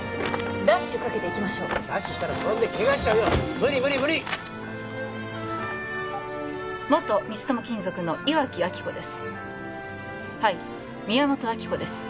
ダッシュかけていきましょうダッシュしたら転んでケガしちゃうよ無理無理無理元光友金属の岩木亜希子ですはい宮本亜希子です